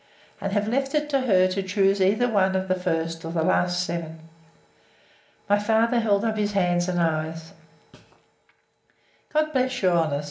And have left it to her to choose either one of the first or last seven. My father held up his hands, and eyes; God bless your honour!